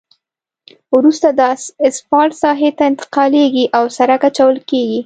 وروسته دا اسفالټ ساحې ته انتقالیږي او په سرک اچول کیږي